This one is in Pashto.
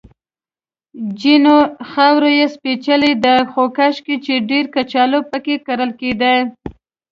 جینو: خاوره یې سپېڅلې ده، خو کاشکې چې ډېرې کچالو پکې کرل کېدای.